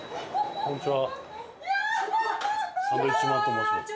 こんにちは。